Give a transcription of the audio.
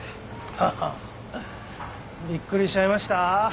ハハビックリしちゃいました？